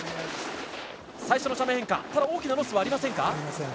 最初の斜面変化大きなロスはありません。